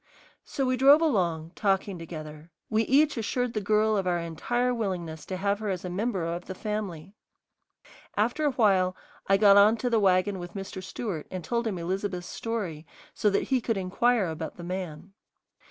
So we drove along, talking together; we each assured the girl of our entire willingness to have her as a member of the family. After a while I got on to the wagon with Mr. Stewart and told him Elizabeth's story so that he could inquire about the man.